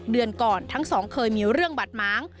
เดือนก่อนทั้งสองเคยมีเรื่องบาดม้าง